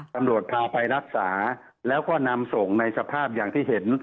ตำรวจพาไปรักษาแล้วก็นำส่งในสภาพอย่างที่เห็น